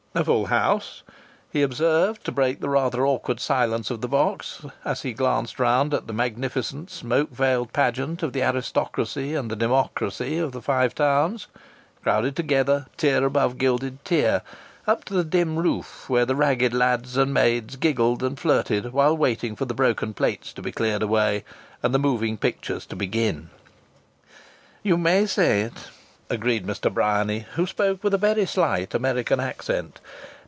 "A full house!" he observed, to break the rather awkward silence of the box, as he glanced round at the magnificent smoke veiled pageant of the aristocracy and the democracy of the Five Towns, crowded together, tier above gilded tier, up to the dim roof where ragged lads and maids giggled and flirted while waiting for the broken plates to be cleared away and the moving pictures to begin. "You may say it!" agreed Mr. Bryany, who spoke with a very slight American accent.